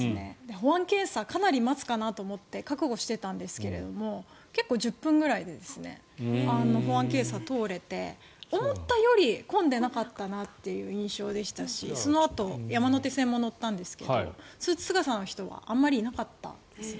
保安検査かなり待つかなと思って覚悟してたんですけれども結構、１０分ぐらいで保安検査を通れて思ったより混んでいなかったなという印象でしたしそのあと山手線も乗ったんですがスーツ姿の人はあまりいなかったですね。